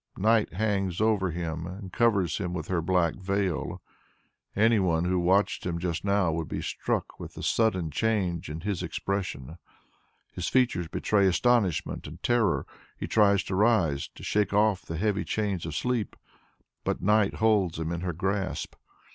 Night hangs over him and covers him with her black veil. Any one who watched him just now would be struck with the sudden change in his expression. His features betray astonishment and terror. He tries to rise, to shake off the heavy chains of sleep, but night holds him in her grasp.